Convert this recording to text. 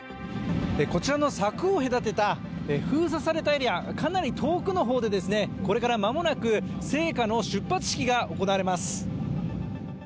こちらの柵を隔てた、封鎖されたエリア、かなり遠くの方でこれから間もなく聖火の出発式が行われます。